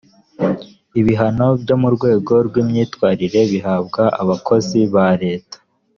ibihano byo mu rwego rw’imyitwarire bihabwa abakozi ba leta